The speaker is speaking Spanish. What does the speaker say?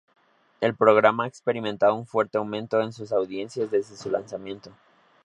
El programa ha experimentado un fuerte aumento en sus audiencias desde su lanzamiento.